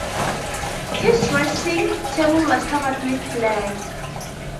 His dressing-table was covered with blacks.